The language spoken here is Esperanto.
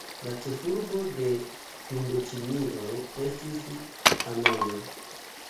La ĉefurbo de Hindoĉinio estis Hanojo.